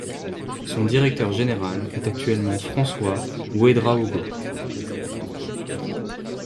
Son directeur général est actuellement François Ouédraogo.